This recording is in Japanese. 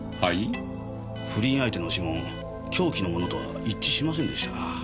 不倫相手の指紋凶器のものとは一致しませんでした。